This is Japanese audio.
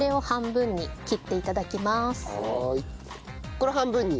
これ半分に？